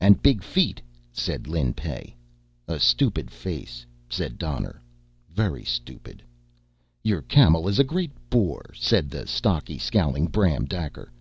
"And big feet," said Lin Pey. "A stupid face," said Donner. "Very stupid." "Your camel is a great bore," said the stocky, scowling Bram Daker.